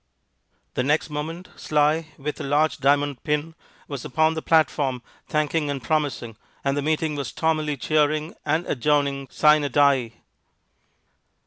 The next moment Sly, with a large diamond pin, was upon the platform thanking and promising, and the meeting was stormily cheering and adjourning sine die.